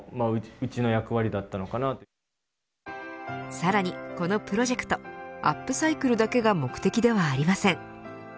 さらにこのプロジェクトアップサイクルだけが目的ではありません。